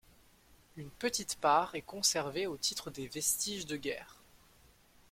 Une petite part est conservée au titre des vestiges de guerre.